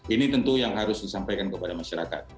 ini tentu yang harus disampaikan kepada masyarakat